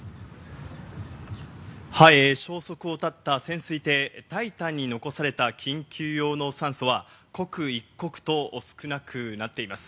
はい、消息を絶った潜水艇タイタンに残された緊急用の酸素は刻一刻と少なくなっています。